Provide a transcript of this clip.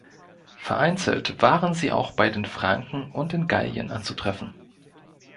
Vereinzelt waren sie auch bei den Franken und in Gallien anzutreffen.